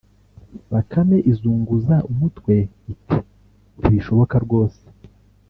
” Bakame izunguza umutwe iti “Ntibishoboka rwose